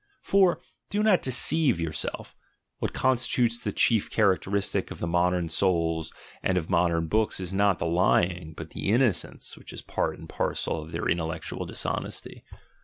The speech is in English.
For, do not deceive yourself: what constitutes the chief characteristic of modern souls and of modern books is not the lying, but the innocence which is part and parcel of their intellectual dishonesty.